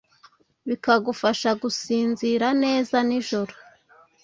bikagufasha gusinzira neza nijoro